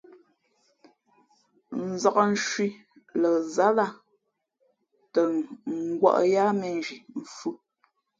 Nzāk nshui lά zal ā tα ngα̌ wᾱʼ yāā mēnzhi mfhʉ̄.